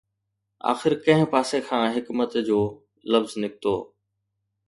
آخر ڪنهن پاسي کان حڪمت جو لفظ نڪتو